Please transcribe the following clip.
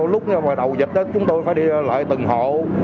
lúc đầu dịch chúng tôi phải đi lại từng hộ